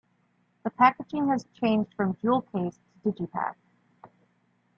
The packaging has changed from jewel case to Digipak.